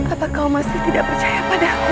apakah kamu masih tidak percaya pada aku